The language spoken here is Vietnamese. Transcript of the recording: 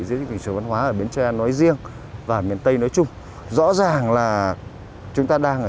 giữa những tỉnh chủ văn hóa ở biến tre nói riêng và miền tây nói chung rõ ràng là chúng ta đang ở